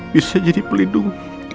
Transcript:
bisa jadi pelindung